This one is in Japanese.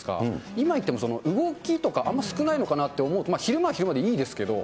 今行っても動きとか、あんま少ないのかなって思うと、昼間は昼間でいいですけど、